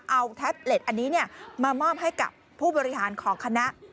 เอาแท็บเล็ตอันนี้มามอบให้กับผู้บริหารของคณะ